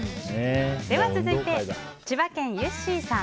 続いて、千葉県の方。